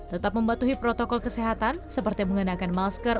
tetap mematuhi protokol kesehatan seperti menggunakan masker